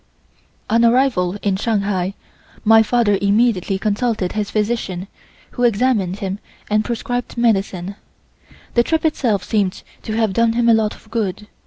On arrival in Shanghai my father immediately consulted his physician who examined him and prescribed medicine. The trip itself seemed to have done him a lot of good.